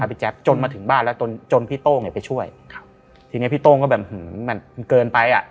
พี่แจ๊คจนมาถึงบ้านแล้วจนจนพี่โต้งเนี่ยไปช่วยครับทีเนี้ยพี่โต้งก็แบบหือมันเกินไปอ่ะ